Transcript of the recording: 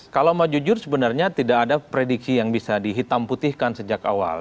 kalau mau jujur sebenarnya tidak ada prediksi yang bisa dihitam putihkan sejak awal